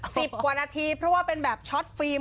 สิบกว่านาทีเพราะว่าเป็นแบบช็อตฟิล์ม